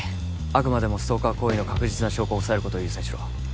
あくまでもストーカー行為の確実な証拠を押さえることを優先しろ。